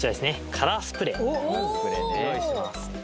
カラースプレーおお用意します